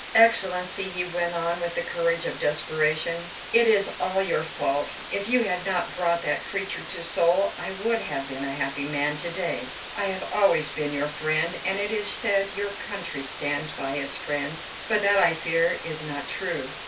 "Excellency," he went on with the courage of desperation, "it is all your fault. If you had not brought that creature to Seoul, I would have been a happy man to day. I have always been your friend, and it is said your country stands by its friends; but that, I fear, is not true.